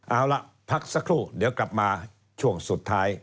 เอาล่ะพักสักครู่เดี๋ยวกลับมาช่วงสุดท้าย